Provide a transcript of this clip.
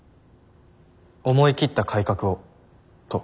思い切った改革をと。